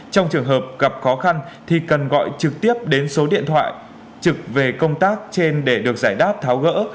trong trường hợp gặp khó khăn thì cần gọi trực tiếp đến số điện thoại trực về công tác trên để được giải đáp tháo gỡ